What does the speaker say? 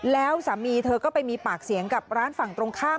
แล้วสามีเธอก็ไปมีปากเสียงกับร้านฝั่งตรงข้าม